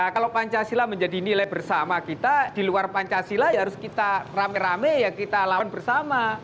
kalau pancasila menjadi nilai bersama kita di luar pancasila ya harus kita rame rame ya kita lawan bersama